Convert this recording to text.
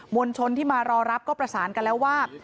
ลชนที่มารอรับก็ประสานกันแล้วว่า